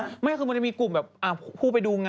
มันจะมีคนไทยอีกกลุ่มหนึ่งนะมันจะมีคนไทยอีกกลุ่มหนึ่งนะ